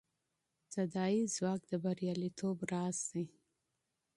تداعي ځواک د بریالیتوب راز دی.